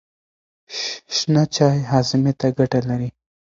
شنه چای هاضمې ته ګټه لري.